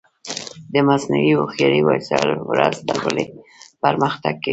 د مصنوعي هوښیارۍ وسایل ورځ تر بلې پرمختګ کوي.